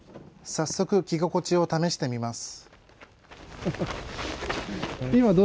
早速着心地を試してみます。